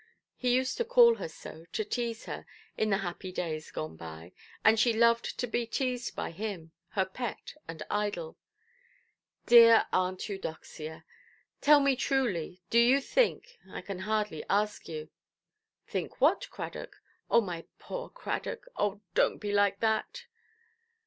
He used to call her so, to tease her, in the happy days gone by; and she loved to be teased by him, her pet and idol. "Dear Aunt Eudoxia, tell me truly, do you think—I can hardly ask you". "Think what, Cradock? My poor Cradock; oh, donʼt be like that"!